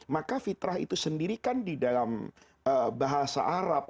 maka fitrah itu sendirikan di dalam bahasa arab